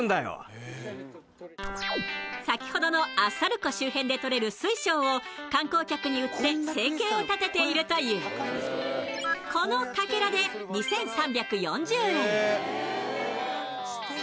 先ほどのアッサル湖周辺でとれる水晶を観光客に売って生計を立てているというこのかけらで２３４０円